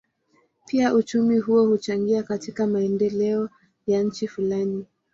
Pia uchumi huo huchangia katika maendeleo ya nchi fulani.